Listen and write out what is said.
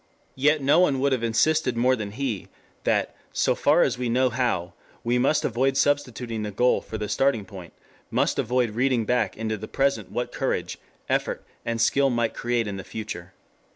Yet no one would have insisted more than he, that, so far as we know how, we must avoid substituting the goal for the starting point, must avoid reading back into the present what courage, effort and skill might create in the future.